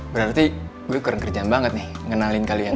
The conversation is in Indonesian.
berarti gue kurang kerjaan banget nih ngenalin kalian